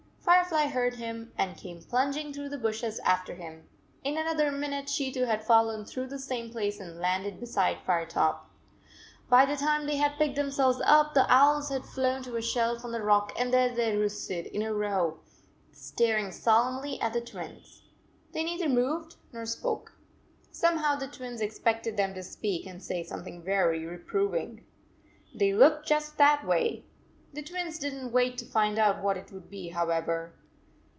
Firefly heard him and came plunging through the bushes after him. In another minute she too had fallen through the same place and landed beside Firetop. By the time they had picked themselves up, the owls had flown to a shelf on the rock, and there 120 they roosted in a row, staring solemnly at the Twins. They neither moved nor spoke. Some how the Twins expected them to speak and say something very reproving. They looked just that way. The Twins did n t wait to find out what it would be, however.